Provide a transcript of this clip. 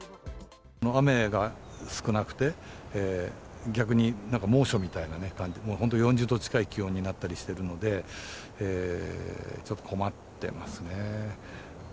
雨が少なくて、逆になんか猛暑みたいなね、本当に４０度近い気温になったりしてるので、ちょっと困ってますね。